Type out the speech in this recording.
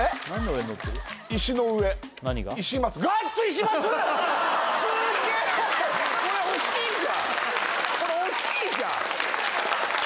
俺俺惜しいじゃん！